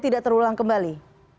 tidak terulang kembali